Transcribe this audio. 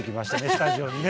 スタジオにね。